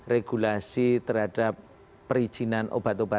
regulasi terhadap perizinan obat obatan